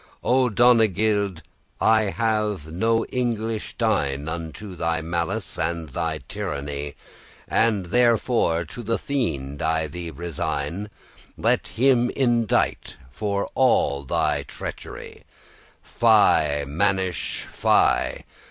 O Donegild, I have no English dign* *worthy Unto thy malice, and thy tyranny: And therefore to the fiend I thee resign, Let him indite of all thy treachery 'Fy, mannish,* fy!